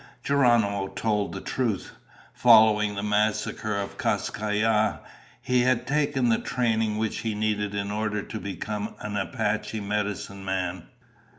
Geronimo told the truth. Following the massacre of Kas Kai Ya, he had taken the training which he needed in order to become an Apache medicine man.